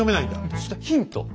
そしたらヒント。